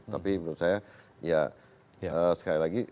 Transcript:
tapi menurut saya ya sekali lagi